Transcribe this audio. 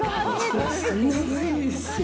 長いです。